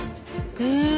へえ。